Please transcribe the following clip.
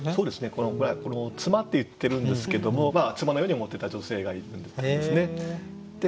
この「妻」って言ってるんですけども妻のように思ってた女性がいたんですね。